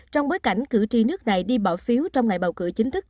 trong bối cảnh cử tri nước này đi bỏ phiếu trong ngày bầu cử chính thức